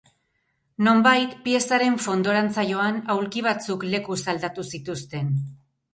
Nonbait piezaren fondorantza joan, aulki batzuk lekuz aldatu zituzten.